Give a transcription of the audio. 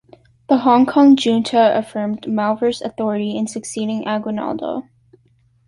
The Hong Kong Junta affirmed Malvar's authority in succeeding Aguinaldo.